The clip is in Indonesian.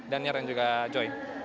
daniar dan juga ngejoy